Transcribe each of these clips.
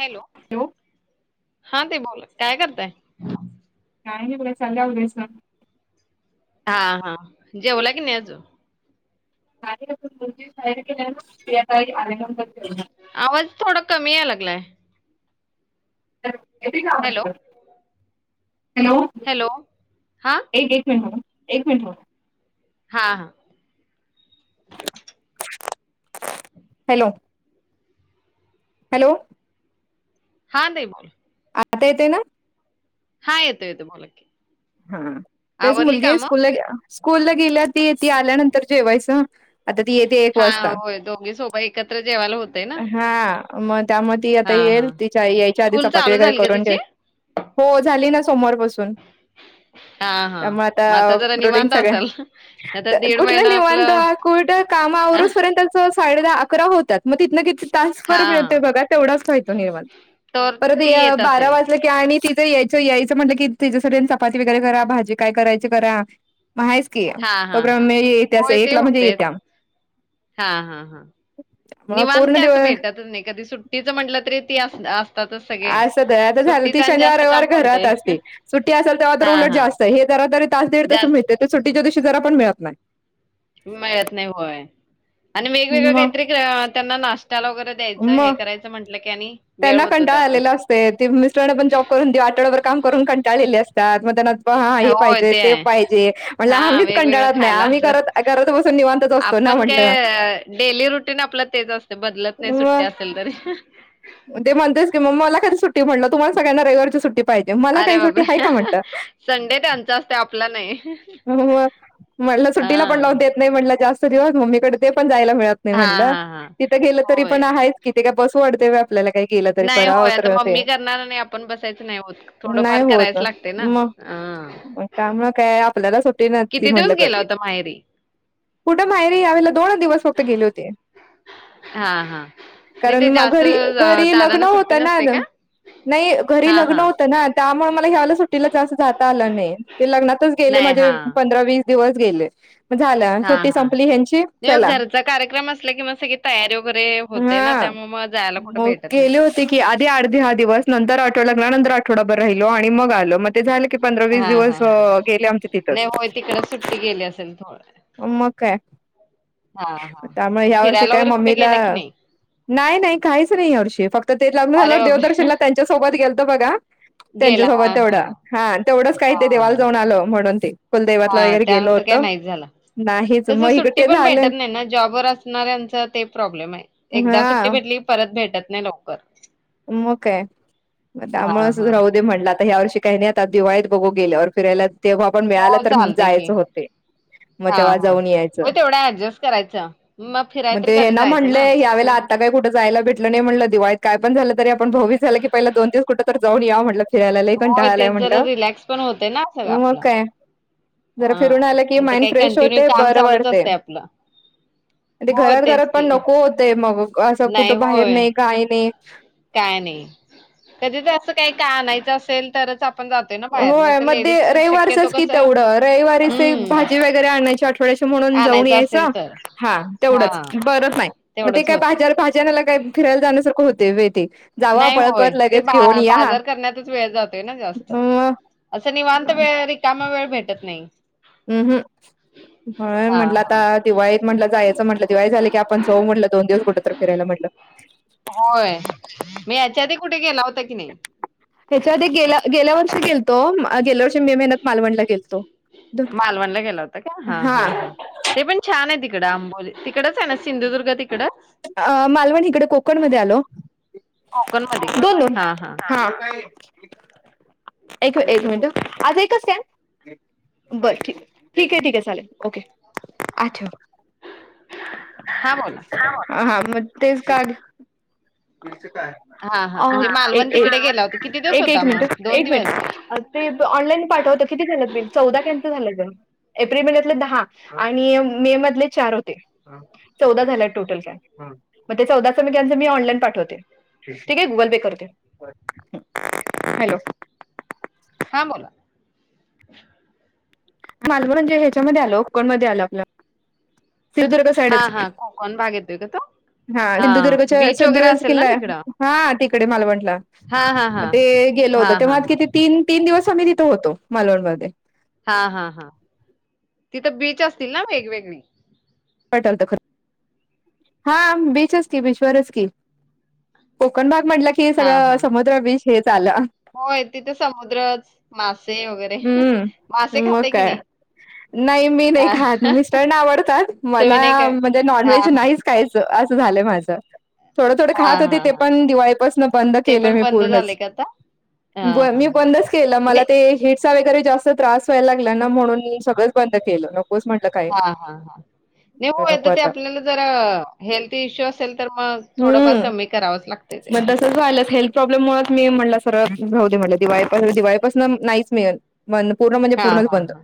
Hello हा ते बला काय करतय काय नाही बला चागल्या उद्यास हा हा जेवला की नाही अजून मुज प्रियाई आरल्याूनऽ आवाज,, थोडा कमी याय लागलाय. का हॅलो, आवाज,, हॅलो. हॅलो,, हा, एक एक मिनिट हो एक मिनिट हो हा हा हॅलो हॅलो हां नाही मोल आता येते ना हा, येतोय येतोय, बोला की. हा, तेच आवरली मुलगी, कामं? स्कूलला, स्कूलला गेल्या ती, ती आल्यानंतर जेवायचं. आता ती येते एक हां, वाजता,, होय दोघी सोबत एकत्र जेवायला होतंय ना. हा, मग त्यामध्येऽ ती आता हां, येईल, हां. तिच्या यायच्या आधी स्कूल चपाती चालू वगैरे झाली का करून तिची? ठेऊ, हो, झाली ना सोमवारपासून. हां, हां. त्यामुळे मग आता, जरा रूटीन निवांत सगळ, असाल? आता दीड कुठलं महिना निवांत? आपलं कुटं काम आवरूज पर्यंतच साडे दहा, अकरा होतात,, मग तिथनं किऽ तासभर मिळतोय हां, बघा, तेवढाच काय तो निवांत, तर परत ती य येत बारा असेल. वाजता ऽ ते ते आणि तिथं यायचं, यायचं म्हटलं कि तिज सगळ्यांच आपण चपाती वगैरे करा, भाजी काय करायची करा, मग हायच की हां, हां, तोेपरन, हां. म येत्यास एक ला म्हणजे येत्या. हा हा हा, मग निवांत पूर्ण काय असं दिवस भेटतच नाही, कधी सुट्टी टीचं म्हटलं तरी ती आस आस असं दया, आता झालं, ती शनिवार काम रविवार घरात पडतंय असते. सुट्टी असेल तेव्हा तर हा उलट हा जास्त आहे, हे जरा तरी तास दीड तस जास्त मिळतय, तर, सुट्टीच्या दिवशी जरा पण मिळत नाही. मिळत नाही, होय, आणि वेगवेगळ मग काहीतरी त्यांना नाश्त्याला वगैरे द्यायचं मग हे करायचं म्हटलं की आणि वेळ त्यांना होतो कंटाळा त्यातच. आलेलं असतेय, ते मिस्टरांना पण जॉब करून, आठवडाभर काम करून कंटाळलेली असतात, मग त्यांना हा, हे होय पाहिजे, ते आहे पाहिजे, म्हणल हा आम्हीच वेगवेगळं कंटाळत नाही, खायला आम्ही असं घर, घरात बसून निवां आपण काय, डेली रुटीन आपलं तेच असतय, बदलत नाही सुट्टी मग असल तरी. ते म्हणतेस की मग, मला कधी सुट्टी म्हनलं, तुम्हाला सगळ्यांना रविवारची सुट्टी पायजे, मला अरे काय सुट्टी हाय बापरे का म्हटलं, संडे त्यांचा असतोय आपला नाही. हो मग म्हटलं अ सुट्टीला पण लावुन देत नाही म्हटलं जास्त दिवस मम्मीकडे, ते पण जायला मिळत तय हा म्हटलं, हा हा तिथं गेलं तरी होय. पण आहेच कि ते काय बसु वाटतय वय आपल्याला काही केलं तरी नाही कराव होय आता तर ते मम्मी करणार आणि आपण बसायचं नाही होत. नाही थोडंफार होत करायच लागते ना. मग अ मग त्यामुळ काय, आपल्याला सुटी नसती किती म्हणलं दिवस गेला कधी. होता माहेरी? कुठं माहेरी, यावेळेला दोन दिवस फक्त गेले होते. हा हा,, म्हणे कारण ते म जास्त घरी वेळ घरी लग्न होतं ना नाही घरी हा लग्न हा. होतं ना त्यामुळे मला ह्या वेळेला सुटीला जास्त जाता आलं नाही,, ते लग्नातच गेले, नाही माजे हा. पंधरा वीस दिवस गेले. आणि हा सुटी हा. संपली हें घरचा कार्यक्रम असलं किं मग सगळी तयारी वगैरे होते ना, त्यामुळं मग जायला कुठं हो भेटत नाही. गेली होती की, आधी अर् द दहा दिवस, नंतर आठवडा लागला, नंतर आठवडाभर राहिलो, आणि मग आलो मग. ते झालं की पंधरा वीस हा दिवस हा हा. गेले आमचे नाही तिथच. होय तिकडं सुट्टी गेली असेल थोडं. अमग काय. हा हा. त्यामुळे मग या वर्षी फिरायला काय वगैरे कुठे मम्मीला गेला की नाही? नाही नाही काय. काहीच नाही ह्या वर्षी, फक्त ते लग्न अरे झाल्यावर बापरे! देवदर्शनला त्यांच्यासोबत गेलतो बघा गेला. त्यांच्यासोबत हा हा तेवढं,, हा तेवढंच, काय ते देवाला हा. जाऊन आलो, म्हणून ते कुलदैवतला हा,, वगैरे गेलो त्यानंतर काय होतो नाहीच झालं. नाहीच तसं मग इकडे सुट्टी ते पण झालं भेटत नाही ना जॉबवर असणाऱ्यांचा ते प्रॉब्लेम आहे. एकदा सुट्टी हा भेटली परत भेटत नाही लवकर म काय मग हा त्यामुळे असंच हा राहू दे म्हटलं आता ह्या वर्षी काही नाही आता दिवाळीत बघू गेल्यावर फिरायला तेव्हा आपण हो मिळालं तर चालतय की जायचं होते. म हा तेव्हा हा जाऊन हो यायचं तेवढा ऍडजस्ट करायचं फिराय मग तरी ते हे कधी ना जायचं म्हनले यावेेळेला आता काय कुठं जायला भेटल नाही म्हटलं, दिवाळीत काय पण झालं तर, आपण भाऊबीज झालं की पहिला दोन दिवस कुठं तर जाऊन याव म्हटलं. फिरायला लय होय कंटाळा ते आलाय जरा म्हटलं रिलॅक्स पण होते ना सगळं मग आपला काय जरा हा फिरून आलं की नाही तर माइंड काही फ्रेश कंटिन्यू होतेय, काम बरं चालूच वाटतय. असतय आपलं ण ते हो घरात घरात तेच पण की नको होतय मग असं नाही कुठं बाहेर होय नाही, काय नाही. काय नाही, कधी तर असं काही काय आणायचं असेल, तरच आपण जातो. होय, म ते रविवारचच की कसं तेवढं रविवारीच हं, भाजी वगैरे आणायची आठवड्याची म्हणून जाऊन आणायचं असेल यायचं. तर. हा तेवढंच हां, परत नाही मग ते तेवढंच काय होतंय. भाजी आणायला काय, फिरायला जाण्यासारंख होतंय व्हय ते. जावा नाही पळत होय पळत ते लगेच बा घेऊन या बाजार करण्यातच वेळ जातोय ना जास्त. अ असं निवांत वेळ रिकामा वेळ भेटत नाही. होय हां, म्हटलं आता हां. दिवाळीत म्हटलं जायचं म्हटलं दिवाळी झाली की आपण जाऊ म्हटलं दोन दिवस कुठं तर फिरायला म्हटलं. होय, मी याच्याआधी कुठे गेला होता की नाही? ह्याच्याआधी गेल्या गेल्या वर्षी गेलतो, गेल्या वर्षी मे महिन्यात मालवणला गेलतो. मालवणला गेला होता का? हा हां हां ते पण छान आहे तिकडं, आंबोल तिकडच आहे ना सिंधुदुर्ग तिकडं? अ मालवण इकडे कोकण मध्ये आलो. कोकणमध्ये का? दोन दोन हां, हां. हा [inaudible] एक एक मिनिटं आज एकच स्कॅन? बरं ठीके ठीके ठीके चालेल ओके हा ठेव हां, बोला. चालेल. ह आहा म तेच काड फी ची काय, हां, हां. आ म्हणजे एक मालवण एक तिकडे गेला होता. किती दिवस एक होता एक मग? दिवस? मिनिट [unintelligible] आणि ते ऑनलाईन पाठवतं किती झालं बिल चौदा कंच झाले काय? एप्रिल महिन्यातले दहा आणि मे मधले चार होते चौदा झालेत टोटल. हा मग ते चौदा चि मेिकांच मी ऑनलाइन पाठवते. ठीक आहे गुगल पे करते. हॅलो हा बोल. मालवण म्हणजे ह्याच्यामध्ये आलो कोकणमध्ये आलं आपल्या सिंधुदुर्ग साईडच, हां, हां. कोकण भाग येतोय का तो? हा सिंधुदुर्गच्या बीच वगैरे सिंधूदुर्ग असेल ना किल्ला आहे. तिकडं हा तिकडे मालवणला, हा हा मग हा ते गेल हा होतं हा तेव्हा किती हा तीन, तीन दिवस आम्ही तिथं होतो मालवण मध्ये. हा हा हा तिथं बीच असतील ना वेगवेगळी? पटल तर [unintelligible] हा बीच असती, बीचवरच की कोकण भाग म्हटलं की हा सगळं हा समुद्र बीच हे आल. होय, तिथे समुद्रचं मासे वगैरे मासे हम्म मग खातयं की काय नाही? नाही मी नाही खात, मिस्टरांना आवडतात तुम्ही मला नाही का म्हणजे हा नॉनव्हेज हा नाही खायचं असं झालंय माझं. थोडं थोडे हा खात होते हा ते हा पण दिवाळीपासनं बंद ते केलय पण मी बंद पूर्णच. झाले का आता हा ब हा मी बंदच केलं मला नाही ते हे वगैरे जास्त त्रास व्हायला लागला ना म्हणून सगळंच बंद केलं नकोचंं म्हटलं. अ, हा, हा, नाही नको ते आता आपल्याला जर हेल्थ इश्यू असेल तर मग थोडंफार कमी करावंच लागतं. ते, ते. लत हेल् [unintelligible] प्रॉब्लेम मुळे मी म्हटलं सरळ राहूदे दिवाळीपासून नाहीचं मिळेतं. हा, हा हा,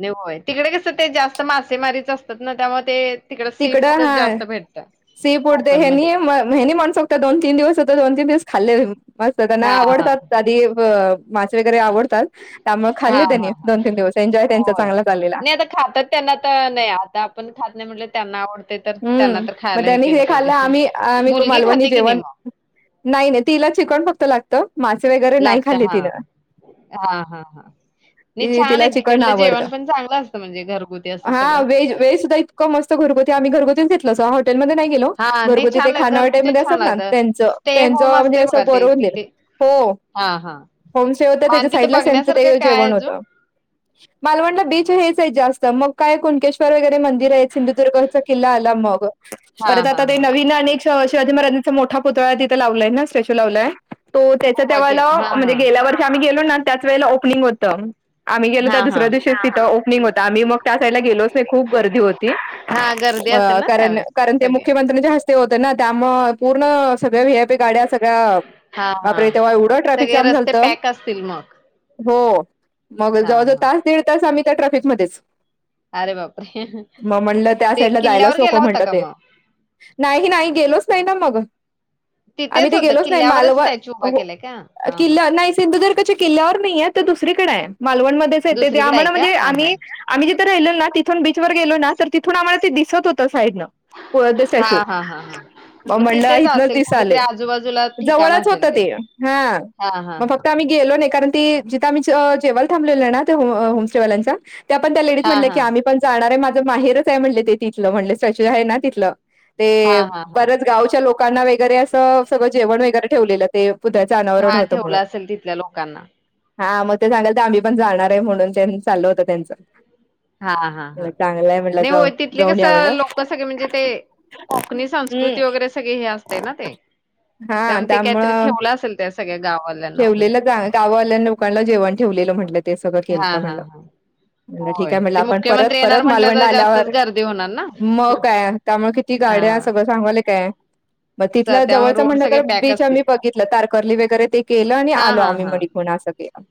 लय भाव, तिकडे कसं ते जास्त मासेमारीच असतात ना त्यामुळे ते तिकडे सी तिकडं फूडच हाय जास्त भेटतं. सी फूड हेनी कोकणमध्ये हेनी म्हणू शकतो दोन तीन दिवस होतो दोन तीन दिवस खाल्ले. मस्त त्यांना हा हा आवडतात आधी मासे वगैरे आवडतात. त्यामुळे हा खाल्ले हा त्यांनी हा दोन तीन दिवस एन्जॉय त्यांचा होय. चांगला चाललेला. नाही आता खातात त्यांना आता नाही. आता आपण खात नाही म्हणलं त्यांना आवडते तर त्यांना हम्म तर मग खायला हे त्यांनी केलं पाहिजे. खाल्लं आम्ही आम्ही मुलगी मालवणी खाते की जेवण नाही मग? नाही नाही. तिला चिकण फक्त लागतं. मासे वगैरे नाही लागत खाल्ली हा तिनं. हा हा हा. नाही ती छान आहे. तिला चिकन तिकडलं आवडतं. जेवण पण चांगलं असतं, म्हणजे घरगुती असं सगळं. हो मस्त घरगुती. आम्ही घरगुतीच घेतलं होतं. हॉटेलमध्ये नाही. गेलो. हा नाही घरगुती ते छान आहे खाणावळ टाईप घरगुतीच मध्ये छान असतात ना लागत त्याचं स्टे होम त्याचं म्हणजे असते बघा ते असं [unintelligible] दिलं. तिथे. हो. हा हा होम सेव होतं आणि त्याच्या तिथं साईडला त्याचं बघण्यासारखं ते काय आहे जेवन अजून? होतं. मालवणला बीच हेचं आहेत जास्त. मग काय कुणके्शेर वगैरे मंदिर आहे सिंधुदुर्ग किल्ला आला. मग हां, परत आता हां, ते हां. नवीन शिवाजी महाराजांचा मोठा पुतळा तिथे लावलाय ना. स्टॅच्यू लावलाय. तो त्याचं त्या उभा वेळेला केला. हां, म्हणजे हां. गेल्या वर्षी आम्ही गेलो ना त्याच वेळेला ओपनिंग होतं. आम्ही गेलो त्या हां, दुसऱ्या हां. दिवशीचं तिथं ओपनिंग होता. आम्ही मग त्या साईडला गेलोचं नाही खूप गर्दी होती. हां, गर्दी असेल अ ना त्यावेळेस कारण ते सगळे. मुख्यमंत्र्यांच्या हस्ते ते होते. ना त्यामुळे पूर्ण सगळ्या वि आय पी गाड्या सगळ्या हां, बापरे! हां. तेव्हा एवढं ट्रॅफिक सगळे जाम रस्ते झालंतं. पॅक असतील मग. हो. मग जवळ हां, जवळ हां. तास दीड तास आम्ही त्या ट्रॅफिकमध्येचं. अरे बापरे रे? ते साईडला जायलाच किल्ल्यावर नको गेला होता म्हणता का ते. मग? नाही नाही गेलोचं नाही ना मग. आम्ही तिथेच ते होतं गेलोचं नाही. किल्ल्यावरच मालव स्टॅच्यू उभा हो केलाय का? अ हां, हां. किल्ल सिंधुदुर्ग किल्ल्यावर नाही आहे. ते दुसरीकडे आहे. मालवण मध्येचं येते ते. दुसरीकडे आहे आम्हाला का? म्हणजे हां, हां. आम्ही आम्ही जिथे राहलो ना तिथून बीच वर गेलो ना तर तिथून आम्हाला ते दिसत होत साइडनं. हां, हां, हां, हां. [unintelligible] [inaudible] हो मग म्हणलं. तिथेच इथंनं असेल दिसायलं. कुठेतरी आजूबाजूला ठिकाण जवळचं होत असेल ते. हा हां, हां, हां. फक्त आम्ही गेलो नाही, कारण ती जिथं आम्ही अ जेवायला थांबलो ना आहे ना होम स्टेवाल्यांचा त्या पण त्या लेडीज हां, म्हटल्या की हां. आम्ही पण जाणार आहे. माझं माहीरचं आहे म्हणले ते तिथलं म्हणले सचू आहे ना तिथलं. हां, ते हां, हां. बरंच गावच्या लोकांना वगैरे असं सगळं जेवण वगैरे ठेवलेलं. ते पुतळ्याचं अनावरण हां, होतं म्हणून. ठेवलं असेल तिथल्या लोकांना. हा मग ते झालं तर आम्ही पण जाणार आहे म्हणून चाललं होत त्यांच. चांगलंय म्हटलं जवळ ते कसं लोक सगळे म्हणजे ते कोकणी संस्कृती हम्म वगैरे सगळे हे असते ना ते. हा त्यामुळे ते काहीतरी त्यामुळं ठेवलं असेल त्या सगळ्या गाववाल्यांना वगैरे ठेवलेलं गावावाल्यानं. जेवण ठेवलेलं म्हटलं ते सगळं हा केलंत हा म्हणलं. हा म्हणाल ठिक होय आहे. म्हटलं ते आपण परत मुख्यमंत्री येणार परत म्हंटल तर मालवणला आल्यावर जास्तचं गर्दी होणार ना. मग काय त्यामुळे किती गाड्या हा सगळं सांगालोय काय. मग तिथलं त्यामुळे जवळचं रोड म्हटलं सगळे तर पॅक बीच असतील आम्ही बघितलं, तारकर्ली वगैरे ते केलं आणि हा आलो हा आम्ही हा माणिकअसं केलं.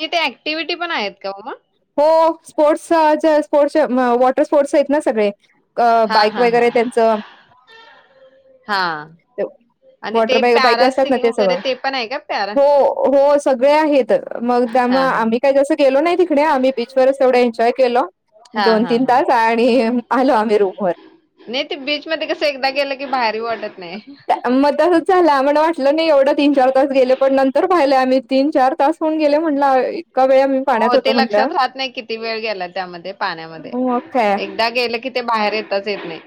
तिथे ऍक्टिव्हटी पण आहेत का मग्? हो. स्पोर्टसच्या स्पोर्ट्सच वॉटर स्पोर्ट्स आहेत ना सगळे. अ हा बाईक हा हा वगैरे त्यांचं. हा. आणि वॉटर ते बाईक बाईक असतात ना पॅरासिलिंग ते वगैरे सगळ. पण आहे का पॅरा हो हो सगळे आहेत. मग त्यामुळे हा हा आम्ही काही जसं गेलो नाही तिकडे आम्ही बीच वरच एवढं एन्जॉय केलो. हा दोन हा तीन हा तास आणि आलो आम्ही रूमवर. नाही ते बीच मध्ये कसं एकदा गेलं की बाहेर येऊ वाटत नाही. म तासच झाला. म्हण वाटलं नाही एवढं तीन चार तास गेले पण नंतर पाहिलंय आम्ही तीन चार तास होऊन गेले म्हटलं वेळ आम्ही पाण्यात हो ते होतो म्हटलं लक्षात राहत नाही किती वेळ गेला त्यामध्ये पाण्यामध्ये मग काय एक दा गेलं की ते बाहेर येतातचं येतं नाही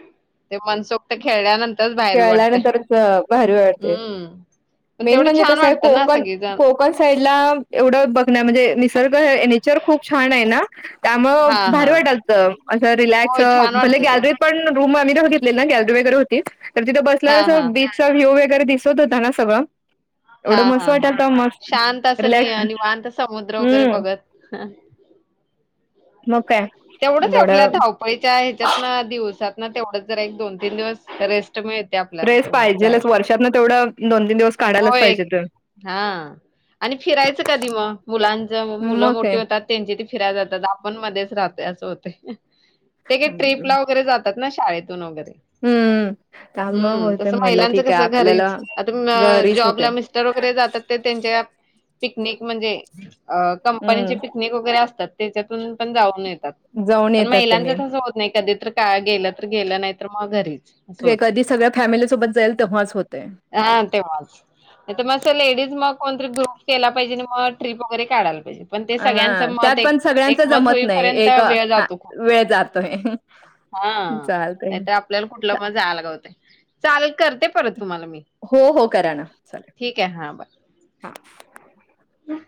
ते मनसोक्त ते खेळल्यानंतरच बाहेर येऊ वाटतं खेळल्यानंतरच भारी वाटते हम्म. पण मेन तेवढं म्हणजे छान कसं आहे वाटतं ना कोकण सगळेजण कोकण साईड ला एवढं बघनं म्हणजे निसर्ग नेचर खूप छान आहे ना. त्यामुळे हा हा भारी वाटत असत अस रिलॅक्स होय छान भले वाटतं ते. गॅलरीत पण रूम आम्ही तसच घेतलेल ना गॅलरीवगैरे होती तर तिथं हा बसल्या हा बीच चा व्ह्यू वगैरे दिसत होता ना सगळं तर हा हा हा शांत असं नि रिलॅक्स निवांत समुद्र वगैरे हम्म बघत हा. म काय म तेवढं ळीच्या ह्याच्यात ना दिवसात ना तेवढं जर एक दोन तीन दिवस रेस्ट मिळत्या रेस्ट पाहिजेलच वर्षात न तेवढं दोन तीन दिवस काढायच पाहिजे ते हा आणि फिरायचं कधी मग मुलांच मुलं मग मोठे काय होतात त्यांची ते फिरायला जातात आपण मध्येच राहतोय असं होते ते काय ट्रीप ला वगैरे जातात ना शाळेतून वगैरे त्यामुळं हम्म होते तस म्हटलं महिलांच ठीक कस आहे घरीच आपल्याला च घरीच जॉब होते ला मिस्टर वगैरे जातात ते त्यांच्या पिकनिक म्हणजे अह कंपनीचे हम्म पिकनिक वगैरे असतात त्याच्यातून पण जाऊन येतात जाऊन पण येतात महिलांच त्याने तसं होत नाही कधी तर का गेलं तर गेलं नाही तर मग घरीच असं हे होतंय. कधी सगळ्या फॅमिली सोबत जाईल तेव्हाच होते हा तेव्हाच नाहीतर मग लेडीज मग कोणतरी ग्रुप केला पाहिजे आणि मग ट्रिप वगैरे काढायला पाहिजे पण ते सगळ्यांचं हां त्यात मत एक पण सगळ्यांच एकमत जमत नाही होईपर्यंत एक वेळ हां जातो वेळ जातोय हा चालतंय नाही तर आपल्याला कुठलं म जायला गवते चालल करते परत तुम्हाला मी हो हो करा ना. ठीक आहे हा बाय. हा. हम्म.